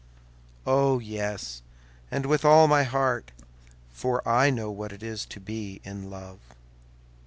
"Oh, yes, and with all my heart; for I know what it is to be in love."